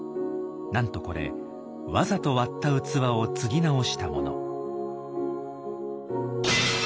なんとこれわざと割った器をつぎ直したもの。